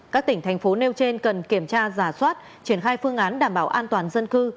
các tỉnh thành phố nêu trên cần kiểm tra giả soát triển khai phương án đảm bảo an toàn dân cư